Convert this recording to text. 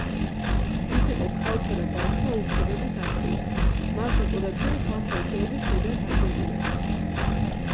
ის იყო ქალთა და ბავშვთა უფლებების აქტივისტი, მას უწოდებდნენ „ქალთა უფლებების დედას არგენტინაში“.